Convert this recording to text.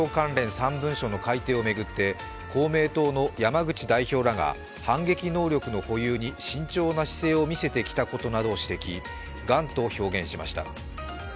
３文書の改定を巡って公明党の山口代表らが反撃能力の保有に慎重な姿勢を見せてきたことなどを指摘、がんと表現しました。